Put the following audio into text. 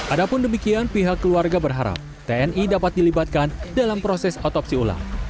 adapun demikian pihak keluarga berharap tni dapat dilibatkan dalam proses otopsi ulang